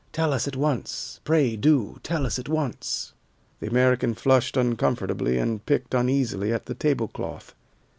Tell us at once, pray do tell us at once." The American flushed uncomfortably, and picked uneasily at the tablecloth.